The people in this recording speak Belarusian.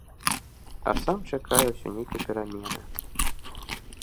А сам чакае ўсё нейкай перамены.